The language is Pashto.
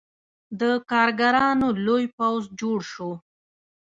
د کارګرانو لوی پوځ جوړ شو.